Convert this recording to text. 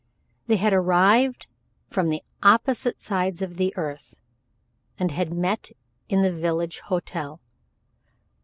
They had arrived from the opposite sides of the earth, and had met at the village hotel.